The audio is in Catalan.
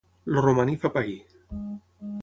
El romaní fa pair.